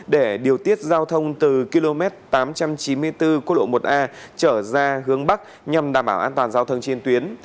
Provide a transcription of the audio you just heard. để điều tiết giao thông từ km tám trăm chín mươi bốn cô lộ một a trở ra hướng bắc nhằm đảm bảo an toàn giao thông trên tuyến